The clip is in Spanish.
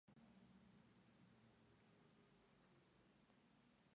En los mamíferos, la aldolasa B se expresa preferentemente en el hígado.